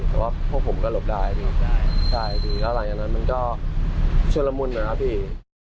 แต่ว่าพวกผมก็หลบได้พี่ใช่พี่แล้วหลังจากนั้นมันก็ชุดละมุนนะครับพี่